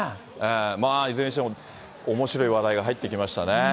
まあ、いずれにしても、おもしろい話題が入ってきましたね。